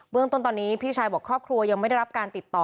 เรื่องต้นตอนนี้พี่ชายบอกครอบครัวยังไม่ได้รับการติดต่อ